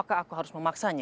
apakah aku harus memaksanya